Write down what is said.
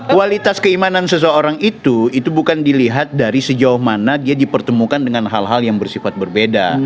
kualitas keimanan seseorang itu itu bukan dilihat dari sejauh mana dia dipertemukan dengan hal hal yang bersifat berbeda